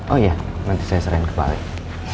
oh iya nanti saya serain ke pak alnya